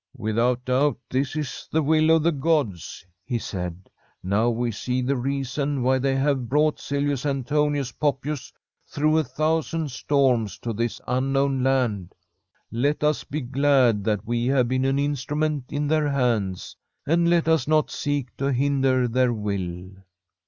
* Without doubt this is the will of the gods,' he said. * Now we see the reason why they have brought Silvius Antonius Poppius through a thousand storms to this unknown land. Let us be glad that we have been an instrument in their hands; and let us not seek to hinder their will.'